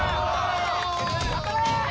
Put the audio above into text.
・頑張れ！